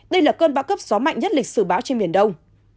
đây là cơn bão cấp gió mạnh nhất lịch sử bão trên biển đông